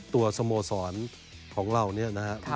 ตัวสโมสรของเรานี้นะครับ